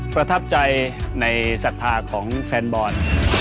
ประทับใจในศรัทธาของแฟนบอล